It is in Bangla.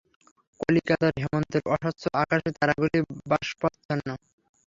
কলিকাতার হেমন্তের অস্বচ্ছ আকাশে তারাগুলি বাষ্পাচ্ছন্ন।